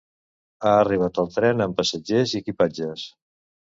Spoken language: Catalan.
Ha arribat el tren amb passatgers i equipatges.